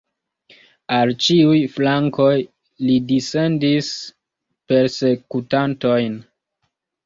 Al ĉiuj flankoj li dissendis persekutantojn.